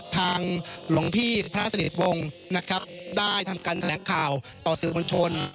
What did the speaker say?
ทางหลวงพี่พระสนิทวงศ์ได้ทำการแสดงข่าวต่อสื่อบิญญาณชน